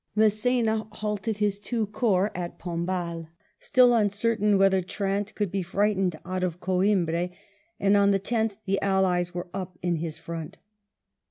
Mass^na halted his two corps at Pombal, still uncertain whether Trant could be frightened out of Coimbra, and on the 10th the Allies were up in his front.